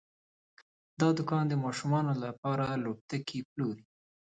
دا دوکان د ماشومانو لپاره لوبتکي پلوري.